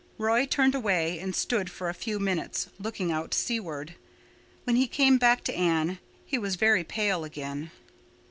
Roy turned away and stood for a few minutes looking out seaward. When he came back to Anne, he was very pale again.